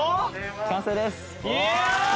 完成です。